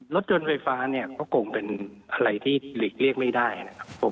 รถยนต์ไฟฟ้าเนี่ยก็คงเป็นอะไรที่หลีกเลี่ยงไม่ได้นะครับผม